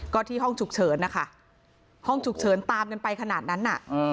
ก็ที่ห้องฉุกเฉินนะคะห้องฉุกเฉินตามกันไปขนาดนั้นน่ะ